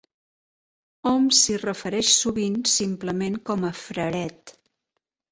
Hom s'hi refereix sovint simplement com a fraret.